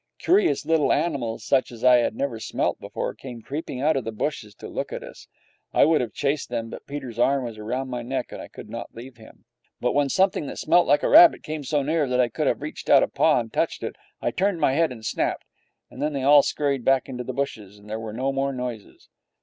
Curious little animals, such as I had never smelt before, came creeping out of the bushes to look at us. I would have chased them, but Peter's arm was round my neck and I could not leave him. But when something that smelt like a rabbit came so near that I could have reached out a paw and touched it, I turned my head and snapped; and then they all scurried back into the bushes and there were no more noises.